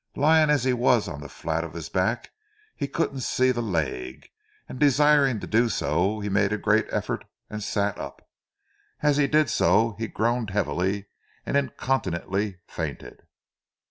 Lying as he was on the flat of his back, he couldn't see the leg, and desiring to do so he made a great effort and sat up. As he did so, he groaned heavily, and incontinently fainted.